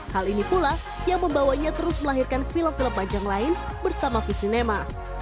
hal ini pula yang membawanya terus melahirkan film film panjang lain bersama visinema